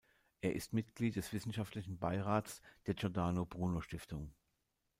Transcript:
Er ist Mitglied des wissenschaftlichen Beirats der Giordano Bruno Stiftung.